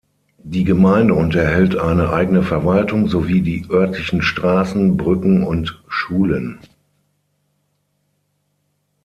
Die Gemeinde unterhält eine eigene Verwaltung, sowie die örtlichen Straßen, Brücken und Schulen.